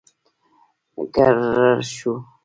ګررر شو.